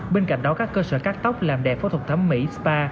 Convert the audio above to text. bên cạnh đó các cơ sở cắt tóc làm đẹp phẫu thuật thẩm mỹ spa